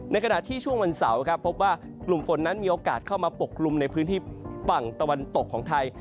ขณะที่ช่วงวันเสาร์ครับพบว่ากลุ่มฝนนั้นมีโอกาสเข้ามาปกกลุ่มในพื้นที่ฝั่งตะวันตกของไทย